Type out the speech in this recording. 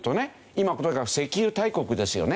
今とにかく石油大国ですよね。